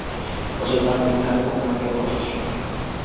অথচ তার বিদ্যার অভিমানের অন্ত ছিল না।